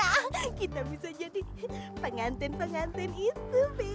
akhirnya kita bisa jadi penganten penganten itu baby